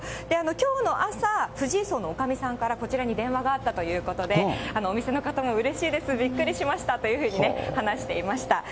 きょうの朝、藤井荘のおかみさんからこちらに電話があったということで、お店の方もうれしいです、びっくりしましたというふうにね、話していました。